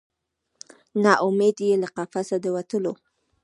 نه امید یې له قفسه د وتلو